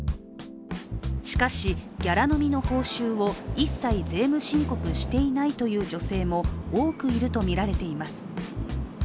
しかし、ギャラ飲みの報酬を一切税務申告していないという女性も多くいるとみられています。